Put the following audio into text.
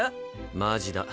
マジだ。